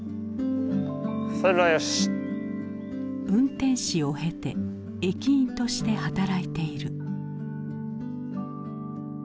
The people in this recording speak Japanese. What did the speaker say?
運転士を経て駅員として働いている。